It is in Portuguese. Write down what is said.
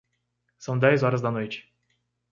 São dez horas da noite.